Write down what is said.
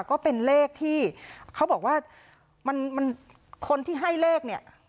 ก็เป็นเลขที่เขาบอกว่ามันคนที่ให้เลขเนี่ย